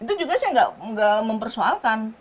itu juga saya nggak mempersoalkan